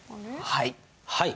はい。